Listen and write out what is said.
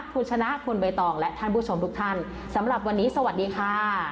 คุณชนะคุณใบตองและท่านผู้ชมทุกท่านสำหรับวันนี้สวัสดีค่ะ